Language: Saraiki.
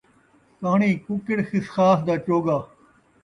کاݨی ککڑ خسخاس دا چوڳا